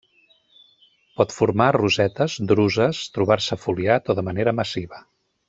Pot formar rosetes, druses, trobar-se foliat o de manera massiva.